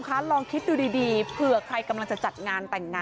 คะลองคิดดูดีเผื่อใครกำลังจะจัดงานแต่งงาน